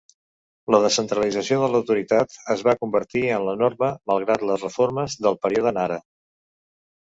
La descentralització de l'autoritat es va convertir en la norma malgrat les reformes del període Nara.